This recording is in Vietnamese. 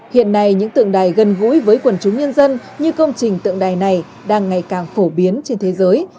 hiện nay những tượng đài gần gũi với quần chúng nhân dân như công trình tượng đài này đang ngày càng phổ biến trên thế giới